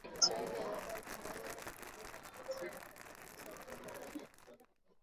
ya kiswahili rfi jumanne tulivu kabisa ya tarehe tisa oktoba elfu mbili na kumi